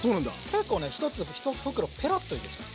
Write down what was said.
結構ね一袋ペロッといけちゃう。